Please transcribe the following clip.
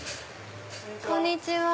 こんにちは。